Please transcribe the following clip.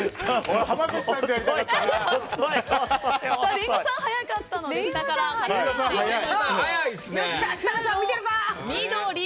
リンゴさん早かったので下から見ていきましょう。